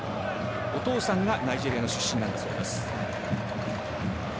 お父さんがナイジェリアの出身です。